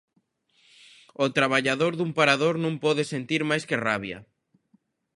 O traballador dun Parador non pode sentir máis que rabia.